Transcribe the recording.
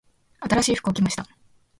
新しい服を着ました。